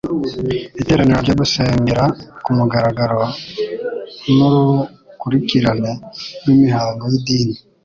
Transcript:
Iteraniro ryo gusengera ku mugaragaro n'urukurikirane rw'imihango y'idini,